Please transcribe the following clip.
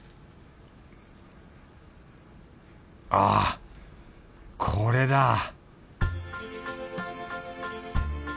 あこれだ！